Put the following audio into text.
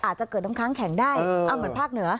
อาจจะเกิดน้ำค้างแข็งได้เหมือนภาคเหนือ